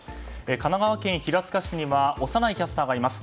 神奈川県平塚市には小山内キャスターがいます。